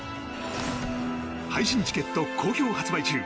配信チケット好評発売中。